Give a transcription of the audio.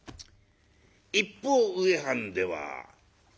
一方植半では。